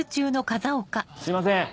すいません